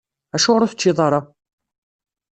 Acuɣer ur teččiḍ ara?